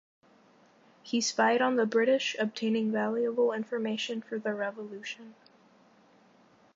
He spied on the British, obtaining valuable information for the revolution.